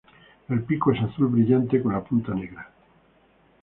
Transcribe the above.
El pico es azul brillante con la punta negra.